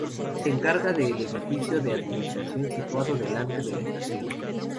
Se encarga del edificio de administración situado delante de la estación.